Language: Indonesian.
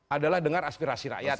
adalah dengar aspirasi rakyat